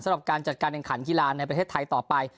สำหรับการจัดการแข่งขันกีฬาในประเทศไทยต่อไป